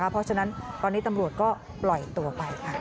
เพราะฉะนั้นตอนนี้ตำรวจก็ปล่อยตัวไปค่ะ